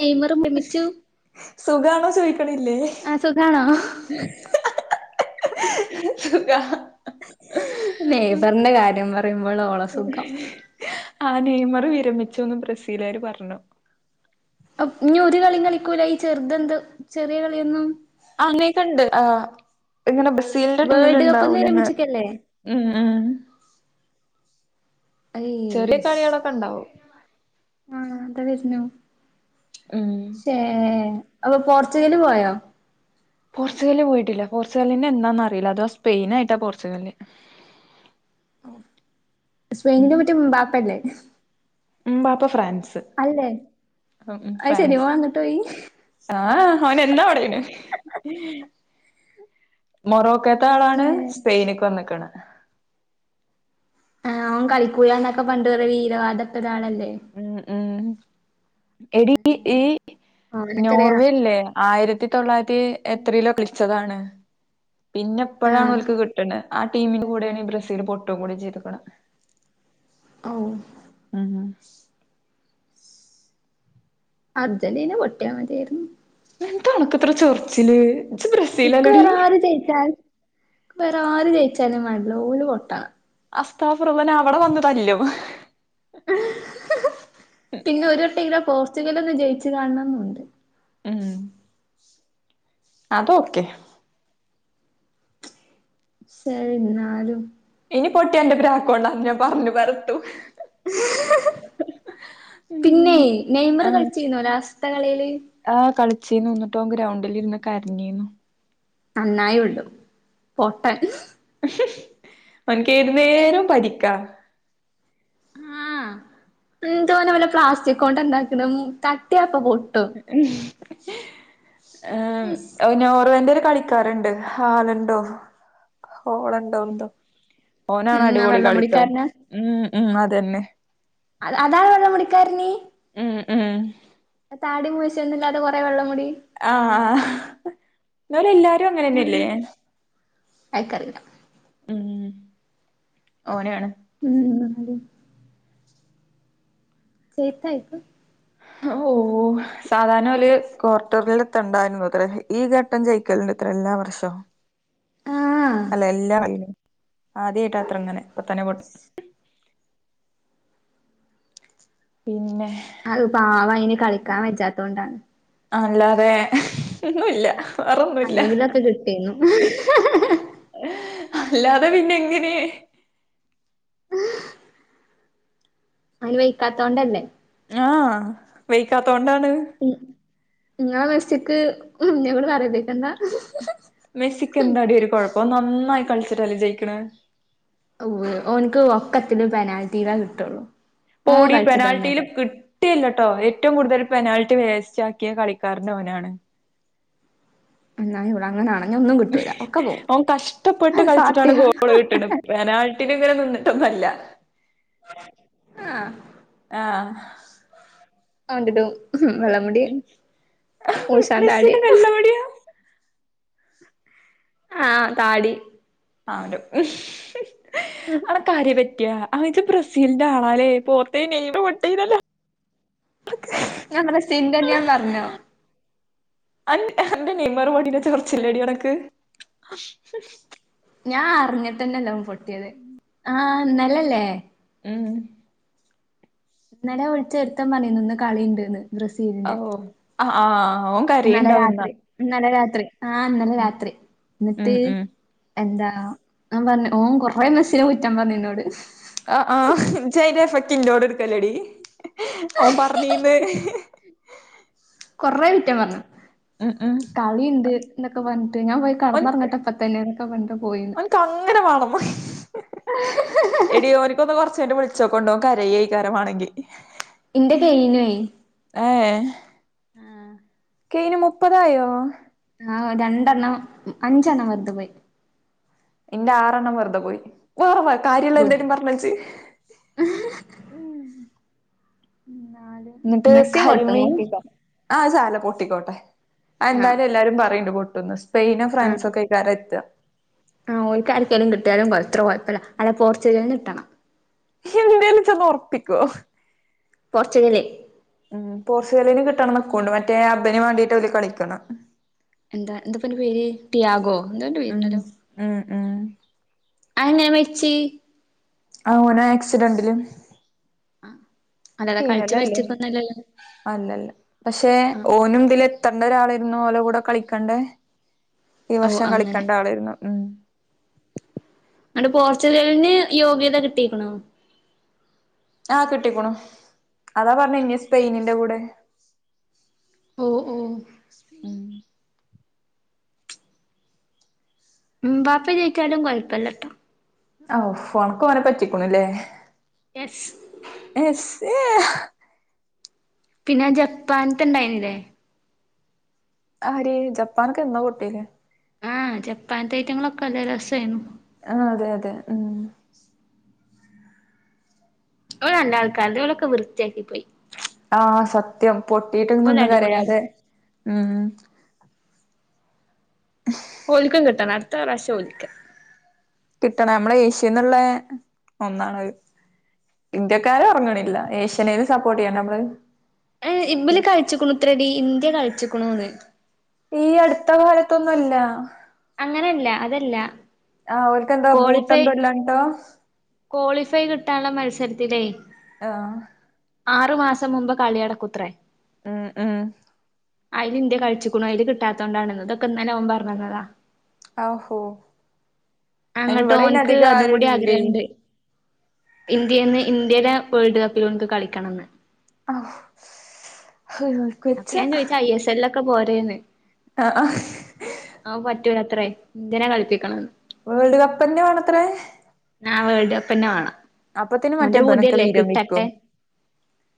Neymar. സുഖണോ ചോയിക്കണില്ലേ. ആ സുഖണോ. സുഖാ. നെയ്ബറിന്റെ കാര്യം പറയുമ്പോൾ ഓള് സുഖം. ആ നെയ്മറെ വിരമിച്ചുവെന്ന് ബ്രസീലുകാര് പറഞ്ഞു. അപ്‌ ഇനി ഒരു കളി കളിക്കൂല. ഈ ചെറുതെന്ത് ചെറിയ കളിയൊന്നും. ആ അങ്ങേക്കെ ഉണ്ട് ആ ഇങ്ങനെ ബ്രസീലിന്റെ ടീമിൽ വേൾഡ് കപ്പ്ന്ന് ഇണ്ടാവൂലന്ന്. വിരമിച്ചിക്കല്ലേ മ്മ് ആഹ് ചെറിയ അയ്ശ് കളികളൊക്കെ ഉണ്ടാവും. ആ അതെ വരുന്നു. ഉം ശേ അപ്പൊ പോർച്ചുഗല് പോയോ. പോർച്ചുഗല് പോയിട്ടില്ല. പോർച്ചുഗലിനെ എന്നാന്ന് അറിയില്ല. അതാ സ്പെയിൻ ആയിട്ടാ പോർച്ചുഗല്. സ്പെയിനിന്റെ മറ്റേ ഇംമ്പാപ്പ അല്ലേ. Mbappe France. അല്ലേ, ഉം അത് ശരി ഫ്രാൻസ് ഓള് വന്നിട്ട് പോയി. ആ അവന് എന്താ അവിടെന് മൊറോക്ക അടുത്ത ശേ ആളാണ് സ്പെയിനിക്ക് വന്നേക്കണ്. ആ അവൻ കളിക്കുല്ലയെന്നൊക്കെ പണ്ട് കൊറേ വീരവാദം ഇട്ട ഒരാളല്ലേ. ഉം ഉം എടി ഈ ഓനൊക്കെ ഒരു നോർവേ ഇല്ലേ. ആയിരത്തി തൊള്ളായിരത്തി എത്രയിലോ കളിച്ചതാണ്. പിന്നെ ആ എപ്പോഴാണ് ഇവർക്ക് കിട്ടണെ. ആ ടീമിന്റെ കൂടെയാണ് ഈ ബ്രസീൽ പൊട്ടും കൂടി ചെയ്തക്കണ്. ആ ഓ.. ഉം ഉം.. അർജന്റീന പൊട്ടിയാ മതിയാരുന്നു. എന്താ അനക്കിത്ര ചൊറിച്ചില്. ഇജ്ജ് ഇക്ക ബ്രസീലല്ലടി വേറ ആര് ജയിച്ചാൽ വേറ ആര് ജയിച്ചാലും വേണ്ടില്ല ഓള് പൊട്ടണും [unintelligible] അവിടെ വന്നു തല്ലും. ഹ് ഹ് പിന്നെ ഒരു വട്ടം ഇങ്ങനെ പോർച്ചുഗല് ഒന്ന് ജയിച്ചു കാണണം ന്നുണ്ട്. ഉം അത് ഓക്കേ. ശേ എന്നാലും. ഇനി പൊട്ടിയ എന്റെ പ്രാക്ക് കൊണ്ടാണെന്ന് ഞാൻ പറഞ്ഞു പരത്തും. ഉം പിന്നെ നെയ്മറ് ആഹ് കളിച്ചിരുന്നോ ലാസ്റ്റ കളിയില് ആഹ് കളിച്ചീന്നു ന്നട്ടോൻ ഗ്രൗണ്ടിൽ ഇരുന്ന് കരഞ്ഞിനു. നന്നായി വിടും പൊട്ടൻ. ഓന്ക്ക് ഏതുന്നേരും എന്നാ പരിക്കാ. ആഹ് എന്തോനവന് പ്ലാസ്റ്റിക് കൊണ്ട് ഉണ്ടാക്ക്ണം തട്ടിയപ്പ പൊട്ടും. ഇശ് ആഹ് നോർവേന്റെ ഒരു കളി. ക്കാറ്ണ്ട് ഹാല്ണ്ടോ ഹോളണ്ടോ എന്തോ. ഓനാണ് ഉം ആ അടിപൊളി വെള്ളം കളിട്ടോ മുടിക്കാരനാ ഉം ഉം അതെന്നെ. അത അതാണ് വെള്ള മുടിക്കാരന്. ഉം ഉം താടി മീശൊന്നുല്ലാതെ കൊറെ വെള്ളമുടി. ആഹ് ആഹ് എന്നാലും എല്ലാരും അങ്ങനെന്നെല്ലെ. അയിക്കാറിയൂല. മ്മ് ഓനാണ്. ഉം ന്നാലും. സെര്ക്കയ്ക്ക്. ആഹ് ഓ. സാധാര്ണ ഓല് ക്വാർട്ടറിൽ എത്തണ്ടായിരുന്നു അത്ര ഈ ഘട്ടം ജയിക്കല്ണ്ട്ത്ര എല്ലാവർഷം. ആഹ് അല്ല എല്ലാകളിലും ആദ്യായിട്ടാത്രേ ഇങ്ങനെ കുത്തനെപൊട്ട് പിന്നെ. അത് പാവം ആയിന് കളിക്കാൻ വജ്ജാത്തോണ്ടാണ്. അല്ലാതെ. ഒന്നുല്ല വേറൊന്നുല്ല. അല്ലെങ്കിലൊക്കെ കിട്ടീന്നു അല്ലാതെ പിന്നെ എങ്ങനെ. അയിന് വൈക്കാത്തോണ്ടല്ലേ. ആഹ് വെയ്ക്കാത്തോണ്ടാണ്. ഉം ഇങ്ങളെ മെസ്സിക്ക് ഇന്നോട് പറീപ്പിക്കേണ്ട. മെസ്സിക്ക് എന്താടി ഒര് കൊഴപ്പം നന്നായി കള്ച്ചിട്ടല്ലേ ജയിക്ക്ണെ. ഉവ്വ് ഒന്ക്ക് ഒക്കത്തിനും പെനാൽറ്റിയിലെ കിട്ടുള്ളൂ. പോടി പെനാൽറ്റിയില് കിട്ട് കിട്ടിയില്ലട്ടോ ഏറ്റവും കൂടുതൽ പെനാൽറ്റി വേസ്റ്റ് ആക്കിയെ കളിക്കാരൻ ഓനാണ്. എന്നാ ഇവിടെ അങ്ങനാണ്. ഓൻ കഷ്ടപ്പെട്ട് അത് കള്ച്ചിട്ടാണ് സാത്യ ഗോള് കിട്ട്ണേ. പെനാൽറ്റില് ഇങ്ങനെ നിന്ന്ട്ടൊന്നല്ല ആഹ്. അവന്റെ ഒരു വെള്ളമുടി മൂശാൻതാടി. മെസ്സിയുടെ കല്ലെവിടെയാ ആഹ് താടി. അവന്റെ ഒരു ഉം. അവക്കാരെപറ്റ് ആഹ് ജ്ജ് ബ്രസീലിന്റെ ആളല്ലേ പോർടേന് നെയ്മറ് പൊട്ടില്ലല്ലോ. [unintelligible] ഞാൻ അങ്ങനെ സൈം തന്യൊന്ന് പറ്ഞ്ഞോ? അന്റെ അന്റെ നെയ്മറ് പൊട്ടിയെന്റെ ചൊറ്ച്ചിലെഡി അനക്ക്. ഞാൻ അറ്ഞ്ഞിട്ടന്നല്ല അവൻ പൊട്ടിയത് ആഹ് ഇന്നലല്ലേ. ഏ. ഇന്നലെ വിള്ച്ച് ഒര്ത്തൻ പറ്ഞിന്നു ഇന്ന് കളിണ്ട്ന്ന്. ഔ ബ്രസീലിന്റെ അഹ് ആഹ് ഓ ഇന്നലെ കരയിണ്ടാവുന്നാ രാത്രി ഇന്നലെ രാത്രി ആഹ് ഇന്നലെ രാത്രി ഉം ന്നട്ട്. ഉം എന്താ ഞാൻ പറ്ഞ്ഞ് ഓൻ കൊറെ മെസ്സിനെ കുറ്റം പറ്ഞ്ഞ്ന്നോട്. ആഹ് ആഹ് ഇജയ്ന്റെ എഫക്റ്റ് ഇന്നോട് എടുക്കല്ലേടി ഓൻ പറഞ്ഞീന്ന്. കൊറെ കുറ്റം പറ്ഞ്ഞ്. ഉം ഉം കളിണ്ട് എന്നൊക്കെ പറഞ്ഞിട്ട് ഞാൻ പോയി കട്ന്ന് ഒറ്ങ്ങട്ടെ ഇപ്പതന്നെ എന്നൊക്കെ പറഞ്ഞിട്ടാ പോയെന്ന്. കങ്ങനെ മാണം. എടിഓനിക്ക് ഒന്ന് കൊറച്ച്കഴിഞ്ഞിട്ട് വിളിച്ചോക്ക് ഒണ്ടോ കരയാരിക്കുംമാണെക്കി എന്റെ കൈയിനുആയി ആഹ് ഏഹ് ആഹ് കയിന് മുപ്പതായോ ആഹ രണ്ടെണ്ണം അഞ്ചെണ്ണം വെറുതെപോയി എന്റെ ആറെണ്ണം വെറുതെ പോയി ഗുഡ് വേറെവാകാര്യംഎന്തേലും പറഞ്ഞെ ച്ച് ഉ നാല് ന്നിട്ട് മെസ്സി പൊട്ടും കരിമീൻ നോക്കിക്കോ ആഹ സാരല്ല അത് പൊട്ടിക്കോട്ടെ ആഹ് അന്തായാലും എല്ലാരും പറയണ്ട് പൊട്ടുന്ന് സ്പെയിനും ഫ്രാൻസ ആണ് ഒക്കെ കറക്റ്റ ആഹ് ഓര്ക്കാര്ക്കേലും കിട്ടിയാലും കൊ എത്ര കുഴപ്പമല്ല അല്ല പോർച്ചുഗലിന് കിട്ടണം എന്തേലു ജോന്ന് ഒറപ്പിക്കൊ പോർച്ചുഗല് ഉം പോർച്ചുഗലിന് കിട്ടണം ഇക്കൂണ്ട് മറ്റേ അബന് വേണ്ടീട്ട് ഓല് കളികണെ എന്താ എന്താപ്പ അയ്ന്റെ പേര് തിയാഗോ എന്താന്റെ ഉം പേരുണ്ടല്ലോ ഉം ഉം അയങ്ങനെ മരിച്ചേ ആ ഓന് ആക്സിഡന്റില് അല്ലല്ല കളിച്ച് കീഞ്ഞതാല്ലേ മരിച്ചിക്കൊന്നല്ലല്ലോ അല്ലല്ല പക്ഷെ ആഹ് ഓനു തിലെ കത്തേണ്ട ഒരാളായിരുന്നു ഓലോ കൂടെ കളിക്കേണ്ട ഈ ഓഹ് വർഷം അങ്ങനെ കളിക്കേണ്ട ആളായിരുന്നു ഉം അണ്ട് പോർച്ചുഗലിന് യോഗ്യത കിട്ടിക്കണോ ആഹ് കിട്ടിക്കണു അതാ പറഞ്ഞ ഇനി സ്പെയിനിന്റെ കൂടെ ഓഹ് ഓഹ് ഉം എമ്പാപ്പ ജയിച്ചാലും കുഴപ്പമില്ലട്ടോ ഓ ഫോണക്ക് ഓനെ പറ്റിക്കണല്ലേ എസ് എസ് എസ പിന്നെ ജപ്പാനക്കെ ഉണ്ടായിനല്ലേ ആരി ജപ്പാനൊക്കെ എന്നോ പൊട്ടിക്ക്‌ണ് ആഹ് ജപ്പാനത്തെ ഐറ്റങ്ങളൊക്കെ നല്ല രസമായിരുന്നു ആഹ് അതെ അതെ ഉം ഓല് രണ്ട ആൾക്കാർല്ല അവളൊക്കെ വൃത്തിയാക്കിപ്പോയി ആഹ സത്യം പൊട്ടിയിട്ട് ഓല് ഒന്നും അടിപൊളിയാണ് കരയാതെ ഉം ഓൽക്ക്‌ കിട്ടണം അടുത്ത പ്രാവശ്യം ഓൽക്കാ കിട്ടണം നമ്മള ഏഷ്യന്നുള്ള ഒന്നാണ്ത് ഇന്ത്യക്കാര് അറങ്ങണില്ല ഏഷ്യനേലും സപ്പോർട്ട് ചെയ്യണ്ടെ നമ്മള് ഏ ഇബലി കഴിച്ചിക്കണുത്രടി ഇന്ത്യ കളിച്ചിക്കണന്ന് ഈ അടുത്ത കാലത്തൊന്നുംല്ല അങ്ങനെയല്ല അതല്ല ആ് ഓൽക്കെന്താ ക്വാളിഫൈ ബൂട്ടെന്താ ല്ലാഞ്ഞിട്ട ക്വാളിഫൈ കിട്ടാനുള്ള മത്സരത്തിലേ ആഹ് ആറു മാസം മുമ്പ് കളി നടകുത്രേ മ്മ്ഹ് മ്മ്ഹ് അതില് ഇന്ത്യ കളിച്ചക്ക്ണു അയ്ല് കിട്ടാത്തോണ്ടാണ് ഇതൊക്കെ ന്നലെ ഓൻ പറഞ്ഞതാ ആഹോ അന്ന്ട്ട് ഓനിക്ക് അതും ആരും കൂടി ഇല്ലേ ആഗ്രഹുണ്ട് ഇന്ത്യന്ന് ഇന്ത്യയിലെ വേൾഡ് കപ്പിലോൻക്ക്‌ കളിക്കണംന്ന് അഹ് ഞാൻ ചോദയിച്ച ഐ എസ് എല്ലൊ ക്കെ പോരേന്ന് ആ ഹ് ആ പറ്റൂല അത്രേ ഇന്ത്യ നെ കളിപ്പിക്കണന്ന് വേൾഡ് കപ്പ്ന്നെ വേണത്രേ ആ വേൾട് കപ്പന്നെ വാണം അപ്പത്തിന് മറ്റേ ഓന്റെ ഇബനൊക്കെ പൂതിയല്ലേ വിരമിക്കും കിട്ടട്ടെ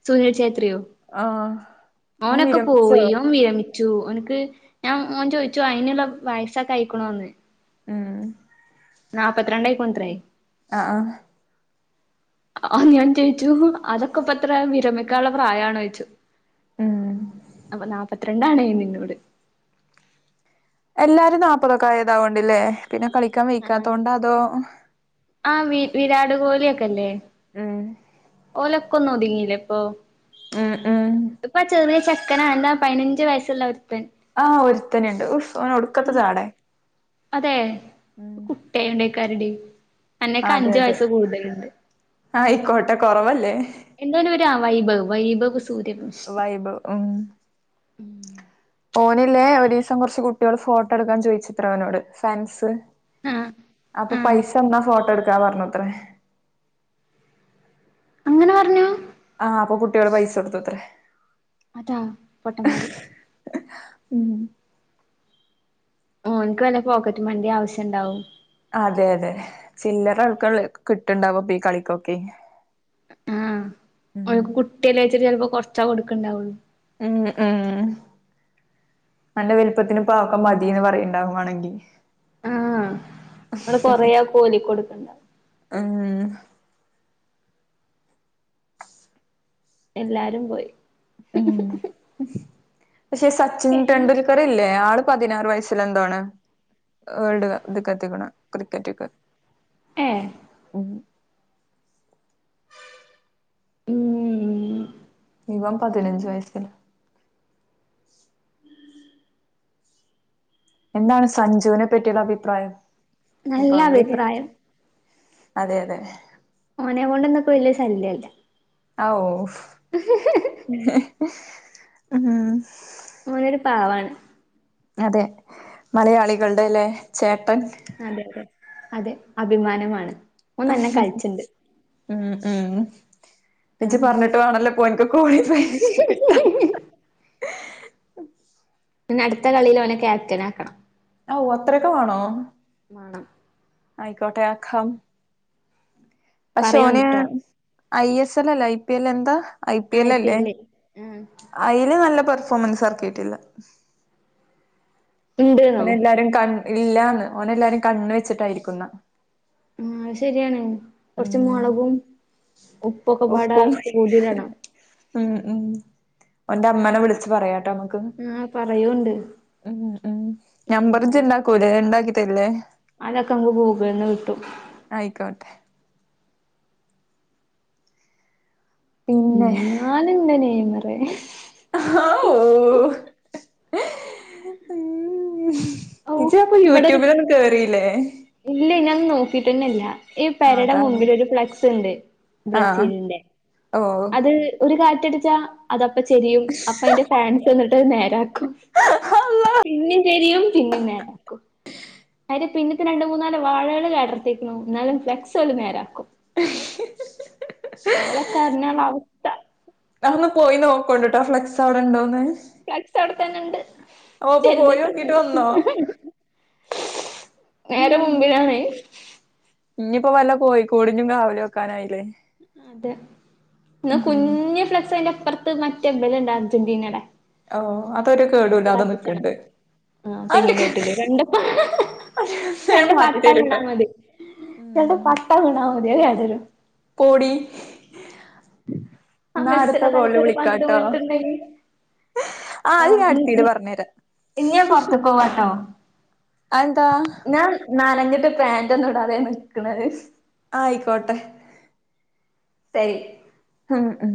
സുനിൽ ഛേത്രിയോ ആഹ് ഓൻ ഓനൊക്കെ വിരമിച്ചോ പോയി ഓൻ വിരമി ഓന്ക്ക് ഞാ ഓൻ ചോയിച്ചു അയ്ന്ള്ള വയസ്സൊക്കായിക്കിണോന്ന്. ഉം നാപ്പത്ത് രണ്ടായിക്ക്ണൂത്രേ. ആഹ്. ആഹ് ഞാൻ ചോയിച്ചു അതൊക്കെ ഇപ്പെത്ര വിരമിക്കാള്ള പ്രായാണോയിച്ചു. ഉം. അപ്പ നാപ്പത്തിരണ്ടാണേന്നിന്നോട്. എല്ലാരും നാപ്പതൊക്കായാ ഇതാവേണ്ടല്ലേ പിന്നെ കളിക്കാൻ ആഹ് വെയ്ക്കാത്തോണ്ട് അതോ ആഹ് വീ വിരാട് കോലി ഒക്കെല്ലേ ഉം. ഓലൊക്കൊന്നൊതുങ്ങില്ലേപ്പോ. ഉം ഉം. ഇപ്പൊ ആ ചെറിയ ചെക്കനാ എന്താ പയിനഞ്ച് വയസ്സ്ള്ള ഒര്ത്തൻ. ആഹ് ഒരുത്തന്ണ്ട് ഉഫ് ഓന് ഒട്ക്കത്ത ജാടേ അതെ കുട്ട്യായോണ്ടേക്കാരെടി അന്നേക്കാ അതെ അഞ്ച് അതെ വയസ്സ് കൂട്തല്ണ്ട്. ആയിക്കോട്ടെ കൊറവല്ലേ. എന്തേനൊര് വൈഭ് വൈഭവ് സൂര്യപു വൈബ് ഉം. ഓനില്ലേ ഒരീസം കൊറച്ച് കുട്ട്യേള് ഫോട്ടോടുക്കാൻ ചോയിച്ചുത്രേ ഓനോട് ഫാൻസ്. ആഹ് അപ്പൊ ആഹ് പൈസന്നാ ഫോട്ടോടുക്കാ പറഞ്ഞുത്രേ അങ്ങനെ പറഞ്ഞാ? ആഹ് അപ്പൊ കുട്ട്യേള് പൈസൊട്ത്തു അത്രേ. അതാ പൊട്ടമ്മാര്. ഉം. ഓനിക്ക് വല്ല പോക്കറ്റ് മണിണ്ടിം ആവശ്യണ്ടാവും. അതെ അതെ ചില്ലറ ആൾക്ക്ള്ളേ കിട്ട്ണ്ടാവപ്പോ ഈ കളിക്കൊക്കെ. ആഹ് ഉം ഓര്ക്ക് കുട്ട്യല്ലേച്ചിട്ട് ചൊലപ്പോ കൊറച്ചാ കൊടുക്ക്ണ്ടാവൊള്ളൂ. ഉം ഉം. അൻ്റെ വലുപ്പത്തിന് പ്പാതൊക്കേ മതിന്ന് പറിയ്ണ്ടാവു വാണെങ്കീ ആഹ് ഇങ്ങള് കൊറേ ആ കോലിക്കൊടുക്ക്ണ്ടാവു. ഉം. എല്ലാരും പോയി. ഉം പക്ഷെ സച്ചിൻ ഏഹ് തെണ്ടുൽക്ക ക്കർ ഇല്ലേ ആള് പതിനാറ് വയസ്സിലെന്തോണ്. വേൾഡ് ഇത്ക്കെത്തീക്ക്ണേ ക്രിക്കറ്റ്ക്ക്. ഏഹ്. ഉം. ഉം ഇവം പതിനഞ്ച് വയസ്സിലും എന്താണ് സഞ്ജുവിനെ പറ്റിള്ള അഭിപ്രായം നല്ല ഇപ്പയ് കൂടി അഭിപ്രായം അതെ അതെ. ഓനേം കൊണ്ടൊന്ന്പ്പോ വല്ല്യ ശല്ല്യല്ല. ആ ഓ ഉം. ഓനൊര് പാവാണ്. അതെ മലയാളികളുടെല്ലേ, ചേട്ടൻ. അതെ അതെ, അതെ അഭിമാനമാണ്. ഓൻ നല്ലോം കളിച്ചിണ്ട് [unintelligible] ഉം ഉം എനിജി പറഞ്ഞിട്ട് വേണല്ലോ പ്പോനിക്ക് [unintelligible] കിട്ടാ ആഹ് പിന്നടുത്ത കളീല് ഓനെ ക്യാപ്റ്റനാക്കണം. ഔ അത്രൊക്കെ വേണോ? വാണം. ആയ്ക്കോട്ടെ അക്കാം- പക്ഷെ ഓന് പറയോണ്ട്ട്ടോ ഐ എസ് എല്ല അല്ല ഐ പി എൽ എന്താ? ഐ പി എല്ല ല്ലേ ആഹ് അയ്ൽ നല്ല പെർഫോമൻസ് എറക്കിട്ടില്ല- ഇണ്ട്ന്നോ ഓന എല്ലാരും കണ് ഇല്ലാന്ന് ഓന ല്ലാരും കണ് വെച്ചിട്ടായിരിക്കുന്ന ആഹ് അത് ശരിയാണ് കൊറച്ച് ഉം മൊളകും ഉപ്പൊക്കെ പാട ഉപ്പും കൂട്ടിടണം. ഉം ഉം ഓൻ്റെമ്മനെ വിളിച്ച് പറയാട്ടോ. ആഹ് പറയൂണ്ട് ഉം ഉം ഞമ്പറിജിണ്ടാക്കൂലേ ഉണ്ടാക്കി തരില്ലേ? അതൊക്ക ങ്ങ് ഗൂഗ്ൾന്ന് കിട്ടും. അയിക്കോട്ടെ പിന്നെ ന്നാലുൻ്റെ നെയ്മറെ ആഹ് ഊ ഔ ഇജ്ജു അപ്പൊ യൂട്യൂബില ന്നും കേറില്ലേ? ഇല്ലെ ഞാൻ നോക്കിട്ടന്നല്ല ഈ ആഹ് പരടെ അതാണ് മുമ്പിൽ ഒരു ഫ്ലെക്സ് ഉണ്ട്. ആഹ് ബ്രസീലിന്റെ- ഓ അത് ഒരു കാറ്റടിച്ചാ അതപ്പ ചെരിയും അപ്പ അതിന്റെ ഫാൻസ് എന്നിട്ട്ത് നേരാക്കും- പിണിം തിരിയും പിന്നി നേരാക്കും- പിന്നിട് രണ്ട് മൂ നാല് വഴകൾ കടർത്തിക്കുണു ന്നാലും ഫ്ലക്സ ഓല് നേരാക്കും. ഓലക്കർറഞ്ഞാള നാ ഒന്ന് പോയി നോക ഔ ണ്ടിട്ടേ ഫ്ലെക്സ് അവിടെണ്ടോന്ന്- ഫക്സ് അവിടെത്തന്നെ ഉണ്ട് പോയി നോക്കിട്ട് ചെരിഞ്ഞിട്ടന്ന വന്നോ നേര മുമ്പിലാണേ. ഇഞ്ഞിപ്പോ വല്ല കോയി കൂടി ൻ്റി കാവൽ നിത്താനായില്ലേ? അതെ ന്നാ കുഞ്ഞു ഫ്ലക്സ് അതിൻ്റെപ്പർത്ത് മറ്റേ ഇവിടെയുണ്ടായിരുന്നു അർജന്റീനയുടെ ഓ അതൊരു കേടുല അതവുടെ നിക്കണ്ട് ആഹ് തെങ്ങിന്റെട്ടില് രണ്ട് ഞാൻ രണ്ട് മാറ്റി പട്ട വീണ തരൂട്ടോ മതി രണ്ട് ഉം പട്ട വീണ മതി അല്ലേ അത് ഒരു പോടി ആ ന്നാ അടുത്ത മെസ്സിടെ കോളി തലക്ക് ഒരു പന്ത് വിളിക്കാട്ടോ- വീണിട്ടുണ്ടെങ്കി ആഹ് അത് ഞാൻ അടുത്തി ആ പറഞ്ഞ രാ ഇനി ഞാൻ പൊറത്ത്ക്ക് പോവാട്ടോ അ എന്താ? ഞാൻ നനഞ്ഞിട്ട് പാാന്റ ഒന്നും ഇടാതെനിക്കണത് ആയിക്കോട്ടെ- തൈ- ആഹ് അം.